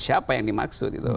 siapa yang dimaksud itu